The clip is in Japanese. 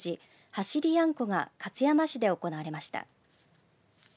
走りやんこが勝山市で行われました。